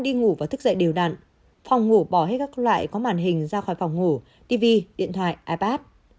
dậy đều đặn phòng ngủ bỏ hết các loại có màn hình ra khỏi phòng ngủ tv điện thoại ipad